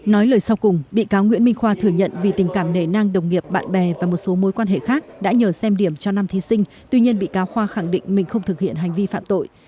nói lời sau cùng bị cáo nguyễn minh khoa thừa nhận vì tình cảm nề nang đồng nghiệp bạn bè và một số mối quan hệ khác đã nhờ xem điểm cho năm thí sinh tuy nhiên bị cáo khoa khẳng định mình không thực hiện hành vi phạm tội